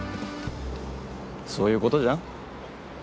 そういうことじゃん？